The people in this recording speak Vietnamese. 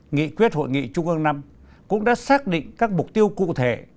nghị quyết hội nghị trung an năm cũng đã xác định các mục tiêu cụ thể